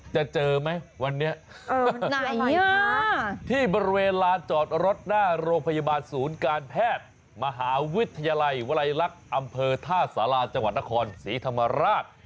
เจอไหมวันนี้ไหนที่บริเวณลานจอดรถหน้าโรงพยาบาลศูนย์การแพทย์มหาวิทยาลัยวลัยลักษณ์อำเภอท่าสาราจังหวัดนครศรีธรรมราช